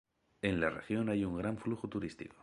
En la región hay un gran flujo turístico.